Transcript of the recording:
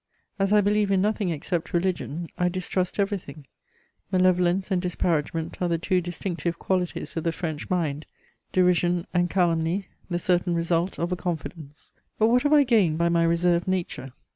As I believe in nothing except religion, I distrust everything: malevolence and disparagement are the two distinctive qualities of the French mind; derision and calumny, the certain result of a confidence. But what have I gained by my reserved nature?